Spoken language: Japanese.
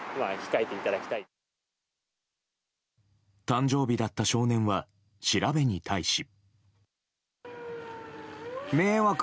誕生日だった少年は調べに対し。